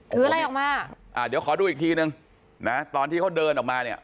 ถืออะไรออกมาอ่าเดี๋ยวขอดูอีกทีนึงนะตอนที่เขาเดินออกมาเนี่ย